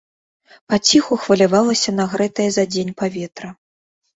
Паціху хвалявалася нагрэтае за дзень паветра.